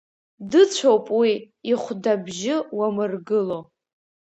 Дыцәоуп уи, ихәдабжьы уамыргыло.